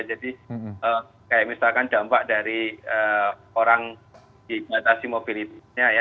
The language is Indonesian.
jadi kayak misalkan dampak dari orang di batasi mobilitasnya ya